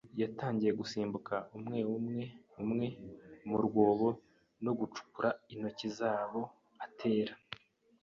yatangiye gusimbuka, umwe umwe umwe, mu rwobo no gucukura intoki zabo, atera